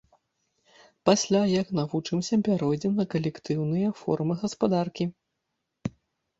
Пасля, як навучымся, пяройдзем на калектыўныя формы гаспадаркі.